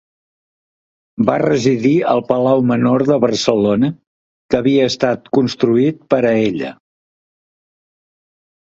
Va residir al Palau Menor de Barcelona, que havia estat construït per a ella.